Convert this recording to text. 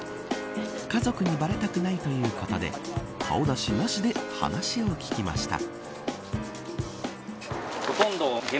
家族にばれたくないということで顔出しなしで話を聞きました。